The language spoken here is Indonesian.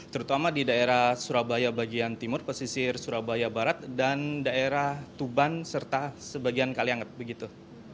terutama di daerah surabaya bagian timur pesisir surabaya barat dan daerah tuban serta sebagian kalianget begitu